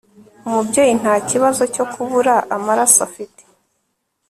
umubyeyi nta kibazo cyo kubura amaraso afite